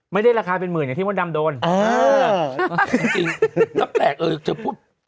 ไม่ได้ราคาเป็นหมื่นอย่างที่มดดำโดนเออจริงแล้วแปลกเออเธอพูด